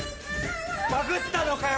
バグったのかよ